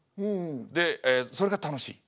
でそれが楽しい。